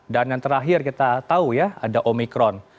dan yang terakhir kita tahu ya ada omikron